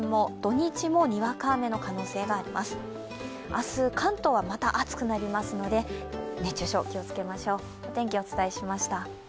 明日、関東はまた暑くなりますので、熱中症、気をつけましょう。